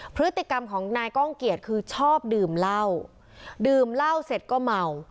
พฤติกรรมของนายก้องเกียจคือชอบดื่มเหล้าดื่มเหล้าเสร็จก็เมา